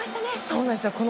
そうなんです。